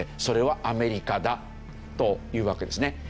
それはアメリカだというわけですね。